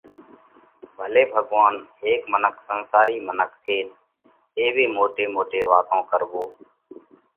ڀلي ڀڳوونَ! ھيڪ سنسارِي منک ٿينَ ايوي موٽي موٽي واتون ڪروو،